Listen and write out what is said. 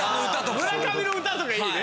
村上の歌とかいいね。